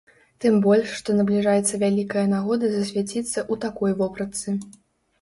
Тым больш, што набліжаецца вялікая нагода засвяціцца ў такой вопратцы.